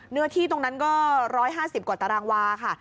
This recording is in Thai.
เนื้อที่ตรงนั้นก็๑๕๐กว่าตารางวาค่ะ